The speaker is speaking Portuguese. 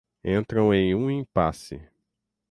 entram em um impasse